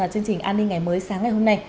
chương trình an ninh ngày mới sáng ngày hôm nay